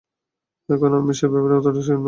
কিন্তু এখন আমি সে ব্যাপারে অতটা শিওর না।